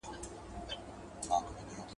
• د شلو کارگانو علاج يوه ډبره ده.